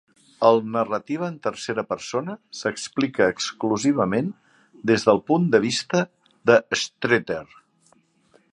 El-narrativa en tercera persona s'explica exclusivament des del punt de vista de Strether.